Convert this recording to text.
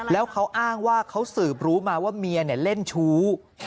แล้วเขาอ้างว่าเขาสืบรู้มาว่าเมียเล่นชู้